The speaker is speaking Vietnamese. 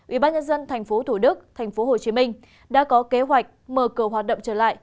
ủy ban nhân dân tp thủ đức tp hcm đã có kế hoạch mở cửa hoạt động trở lại